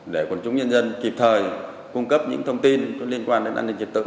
để quần chúng nhân dân kịp thời cung cấp những thông tin liên quan đến an ninh trật tự